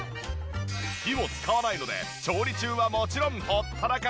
火を使わないので調理中はもちろんほったらかし。